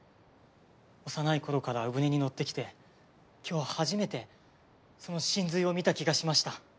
幼いころから鵜舟に乗ってきて今日初めてその神髄を見た気がしました。